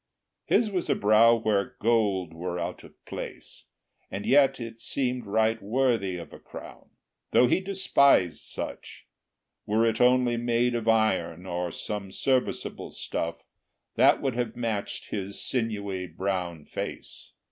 His was a brow where gold were out of place, And yet it seemed right worthy of a crown, (Though he despised such,) were it only made Of iron, or some serviceable stuff That would have matched his sinewy, brown face.